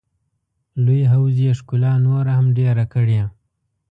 لوی حوض یې ښکلا نوره هم ډېره کړې.